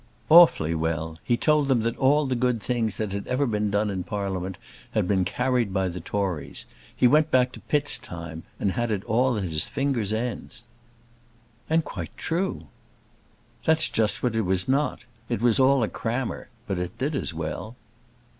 "Awfully well. He told them that all the good things that had ever been done in Parliament had been carried by the Tories. He went back to Pitt's time, and had it all at his fingers' ends." "And quite true." "That's just what it was not. It was all a crammer. But it did as well."